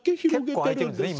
結構開いてるんですね